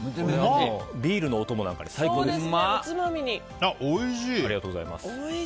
ビールのお供なんかにも最高です。